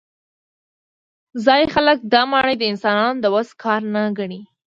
ځايي خلک دا ماڼۍ د انسانانو د وس کار نه ګڼي.